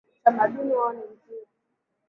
Utamaduni wao ni mzuri.